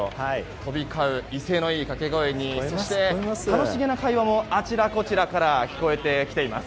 飛び交う威勢のいい掛け声にそして、楽しげな会話もあちらこちらから聞こえてきています。